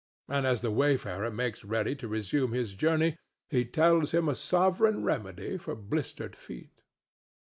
And as the wayfarer makes ready to resume his journey he tells him a sovereign remedy for blistered feet.